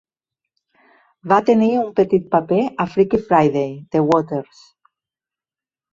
Va tenir un petit paper a "Freaky Friday" de Waters.